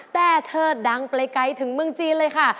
แต่เทิดดังไปไกลถึงเมืองจีนเลยค่ะ